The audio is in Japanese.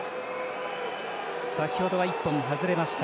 先ほどは１本外れました。